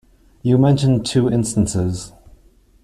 You mentioned two instances.